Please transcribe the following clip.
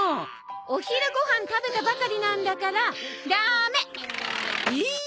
お昼ご飯食べたばかりなんだからダーメ！